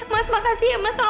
mas makasih ya mas